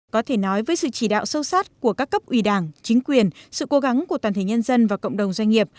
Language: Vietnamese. có thể nói với sự chỉ đạo sâu sát của các cấp ủy đảng chính quyền sự cố gắng của toàn thể nhân dân và cộng đồng doanh nghiệp